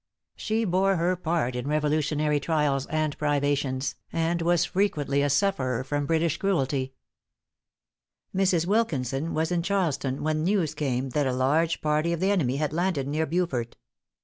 She bore her part in Revolutionary trials and privations, and was frequently a sufferer from British cruelty. Mrs. Wilkinson was in Charleston when news came that a large party of the enemy had landed near Beaufort.